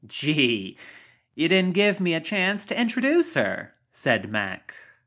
Gee, you didn't give me a chance to introduce her," said Mack.